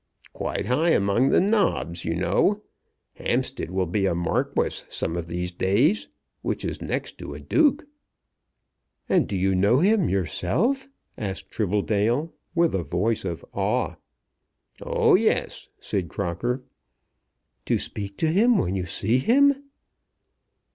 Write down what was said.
"Quite high among the nobs, you know. Hampstead will be a Marquis some of these days, which is next to a Duke." "And do you know him, yourself?" asked Tribbledale with a voice of awe. "Oh, yes," said Crocker. "To speak to him when you see him?"